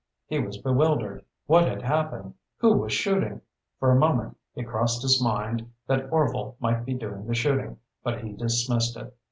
He was bewildered. What had happened? Who was shooting? For a moment it crossed his mind that Orvil might be doing the shooting, but he dismissed it.